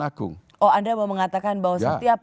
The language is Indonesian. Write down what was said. oh anda mau mengatakan bahwa setiap